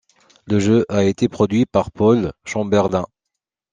Le jeu a été produit par Paul Chamberlain.